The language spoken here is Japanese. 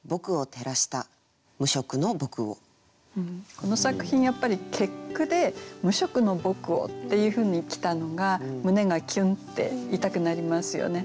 この作品やっぱり結句で「無職の僕を」っていうふうに来たのが胸がキュンって痛くなりますよね。